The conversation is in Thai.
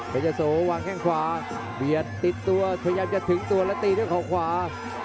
เป็นยะโสวางแข้งขวาเบียดติดตัวพยายามจะถึงตัวแล้วตีด้วยเขาขวา